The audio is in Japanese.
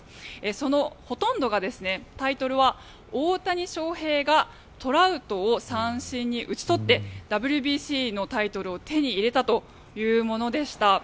そのほとんどがタイトルは大谷翔平がトラウトを三振に打ち取ってＷＢＣのタイトルを手に入れたというものでした。